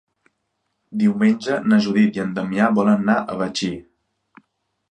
Diumenge na Judit i en Damià volen anar a Betxí.